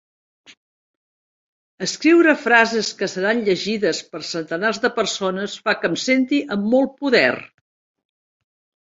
Escriure frases que seran llegides per centenars de persones fa que em senti amb molt poder!